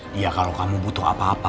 dia kalau kamu butuh apa apa